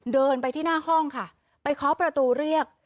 เดินไปที่หน้าห้องค่ะไปเคาะประตูเรียก